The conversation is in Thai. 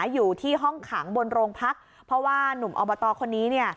อยู่ที่ห้องขังบนโรงพักเพราะว่านุ่มอบตคนนี้เนี่ย